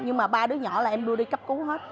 nhưng mà ba đứa nhỏ là em đưa đi cấp cứu hết